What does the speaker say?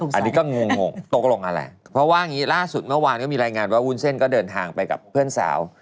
เพราะว่าอย่างงี้ล่าสุดเมื่อวานก็มีรายงานว่าอุ้นเส้นก็เดินทางไปกับเพื่อนสาว